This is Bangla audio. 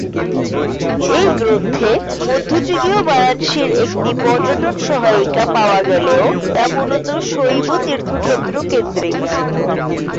এই গ্রন্থে মধ্যযুগীয় বারাণসীর একটি পর্যটন-সহায়িকা পাওয়া গেলেও তা মূলত শৈব তীর্থক্ষেত্র-কেন্দ্রিক।